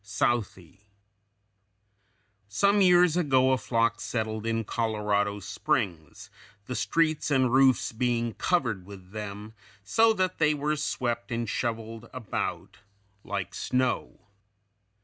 SOUTHEY. Some years ago a flock settled in Colorado Springs, the streets and roofs being covered with them, so that they were swept and shoveled about like snow.